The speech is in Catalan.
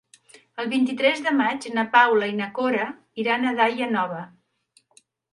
El vint-i-tres de maig na Paula i na Cora iran a Daia Nova.